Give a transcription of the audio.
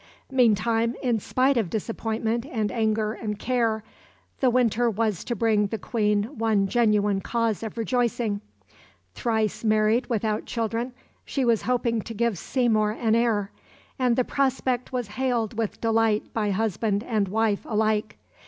Meantime, in spite of disappointment and anger and care, the winter was to bring the Queen one genuine cause of rejoicing. Thrice married without children, she was hoping to give Seymour an heir, and the prospect was hailed with delight by husband and wife alike.